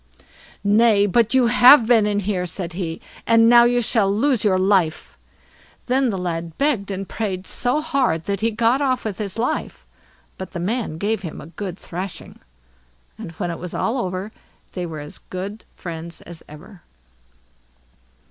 "Nay, but you have been in here", said he; "and now you shall lose your life." Then the lad begged and prayed so hard that he got off with his life, but the man gave him a good thrashing. And when it was over, they were as good friends as ever.